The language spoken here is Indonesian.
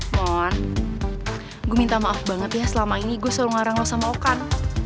mon gue minta maaf banget ya selama ini gue selalu ngarang lo sama okan